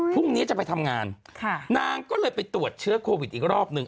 พรุ่งนี้จะไปทำงานค่ะนางก็เลยไปตรวจเชื้อโควิดอีกรอบหนึ่ง